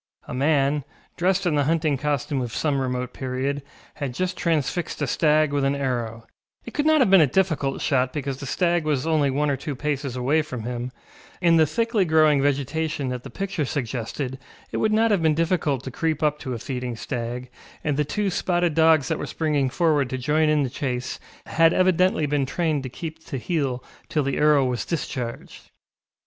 A man, dressed in the hunting costume of some remote period, had just transfixed a stag with an arrow; it could not have been a difficult shot because the stag was only one or two paces away from him; in the thickly growing vegetation that the picture suggested it would not have been difficult to creep up to a feeding stag, and the two spotted dogs that were springing forward to join in the chase had evidently been trained to keep to heel till the arrow was discharged.